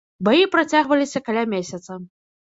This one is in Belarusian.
Баі працягваліся каля месяца.